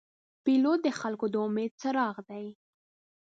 پیلوټ د خلګو د امید څراغ دی.